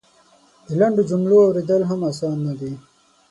د لنډو جملو اورېدل هم اسانه دی.